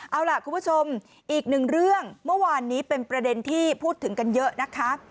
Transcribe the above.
เอาล่ะคุณผู้ชมอีกหนึ่งเรื่องเมื่อวานนี้เป็นประเด็นที่พูดถึงกันเยอะนะคะ